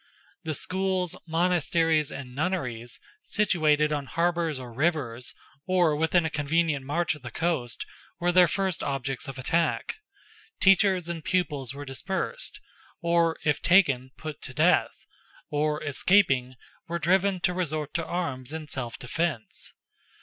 The schools, monasteries, and nunneries, situated on harbours or rivers, or within a convenient march of the coast, were their first objects of attack; teachers and pupils were dispersed, or, if taken, put to death, or, escaping, were driven to resort to arms in self defence.